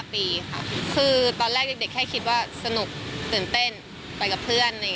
คือตอนแรกเด็กแค่คิดว่าสนุกตื่นเต้นไปกับเพื่อน